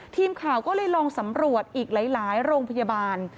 ทีมข่าวก็เลยลองสำรวจอีกหลายโรงพยาบาล